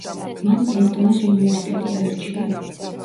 მან პრინსტონის უნივერსიტეტი აირჩია.